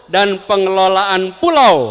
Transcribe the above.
dan pengelolaan pulau